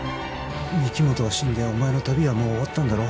御木本が死んでお前の旅はもう終わったんだろ